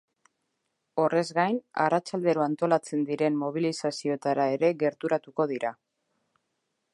Horrez gain, arratsaldero antolatzen diren mobilizazioetara ere gerturatuko dira.